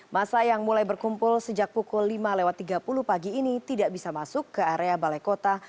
masa yang mulai berkumpul sejak pukul lima lewat tiga puluh pagi ini tidak bisa masuk ke area balai kota